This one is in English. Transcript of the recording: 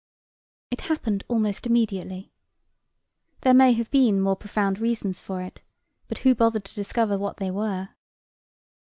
It happened almost immediately. There may have been more profound reasons for it, but who bothered to discover what they were?